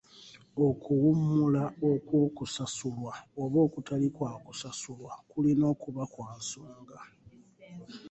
Okuwummula okwokusasulwa oba okutali kwa kusasulwa kulina okuba kwa nsonga.